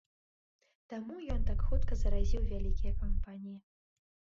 Таму ён так хутка заразіў вялікія кампаніі.